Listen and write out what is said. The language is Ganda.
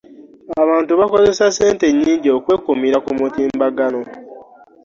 abantu bakozesa ssente nnyingi okwekuumira ku mutimbagano.